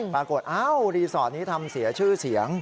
ปรากฏอ้าวรีสอร์ทนี้ทำเสียชื่อเสียง